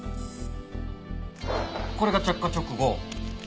これが着火直後。